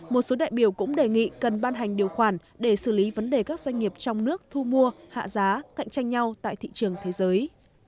một số đại biểu cũng đề nghị cần ban hành điều khoản để xử lý vấn đề các doanh nghiệp trong nước thu mua hạ giá cạnh tranh nhau tại thị trường thế giới